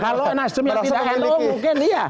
kalau nasdem yang tidak nu mungkin iya